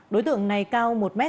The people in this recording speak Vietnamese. đối tượng này cao một m sáu mươi bốn